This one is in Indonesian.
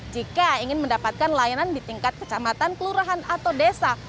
jika ingin mendapatkan layanan di tingkat kecamatan kelurahan atau desa